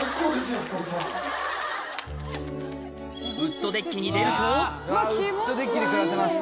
ウッドデッキに出るとウッドデッキで暮らせます。